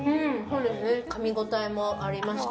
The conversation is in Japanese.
かみ応えもありまして。